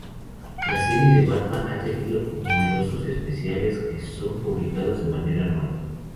La serie de Batman ha tenido números especiales que son publicados de manera anual.